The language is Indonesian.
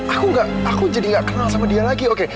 aku nggak aku jadi gak kenal sama dia lagi oke